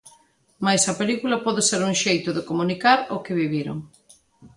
Mais a película pode ser un xeito de comunicar o que viviron.